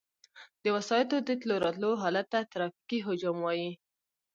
د وسایطو د تلو راتلو حالت ته ترافیکي حجم وایي